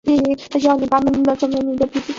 颜钦贤毕业于日本立命馆大学经济科。